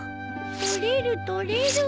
取れる取れる。